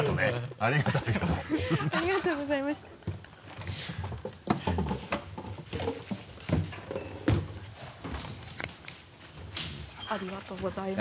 ありがとうございます。